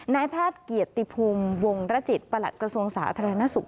นายภาษาเกียรติภูมิวงรจิตประหลัดกระทรวงศาสน์อาทารณสุข